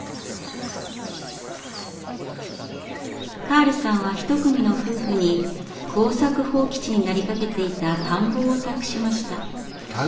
カールさんは一組の夫婦に耕作放棄地になりかけていた田んぼを託しました。